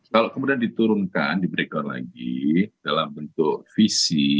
kalau kemudian diturunkan di breakdown lagi dalam bentuk visi